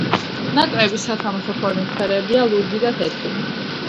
ნაკრების სათამაშო ფორმის ფერებია ლურჯი და თეთრი.